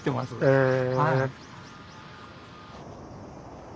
へえ。